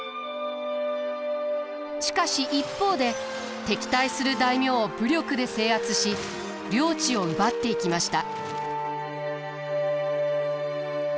しかし一方で敵対する大名を武力で制圧し領地を奪っていきました。